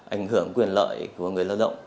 ảnh hưởng quyền lợi của người lao động